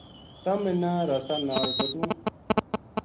تم منا رسا ناڑ بدھوں